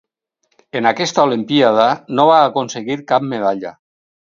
En aquesta olimpíada no va aconseguir cap medalla.